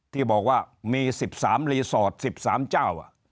ที่บอกว่ามี๑๓รีสอร์ท๑๓เจ้า